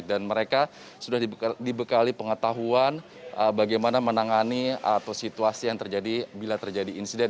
dan mereka sudah dibekali pengetahuan bagaimana menangani atau situasi yang terjadi bila terjadi insiden